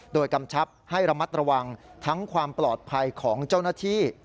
โดยกำชับให้ระมัดระวังทั้งความปลอดภัยของเจ้าหน้าที่